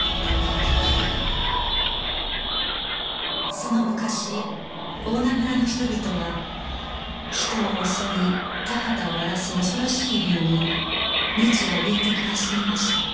その昔大菜村の人々は人を襲い田畑を荒らす恐ろしい竜に日夜おびえて暮らしていました